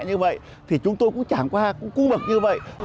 như vậy thì chúng tôi cũng trải qua khung bậc như vậy